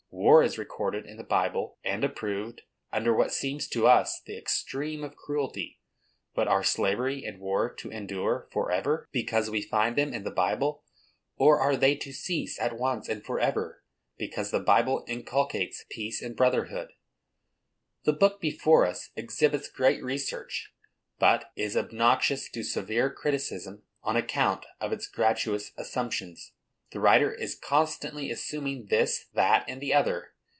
War is recorded in the Bible, and approved, under what seems to us the extreme of cruelty. But are slavery and war to endure forever, because we find them in the Bible? Or, are they to cease at once and forever, because the Bible inculcates peace and brotherhood? The book before us exhibits great research, but is obnoxious to severe criticism, on account of its gratuitous assumptions. The writer is constantly assuming this, that, and the other.